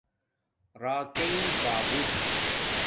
راکئ باگُو